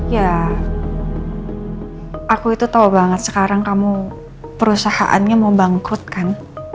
ya aku itu tahu banget sekarang kamu perusahaannya mau bangkrut kan